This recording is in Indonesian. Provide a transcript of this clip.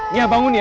nia bangun nia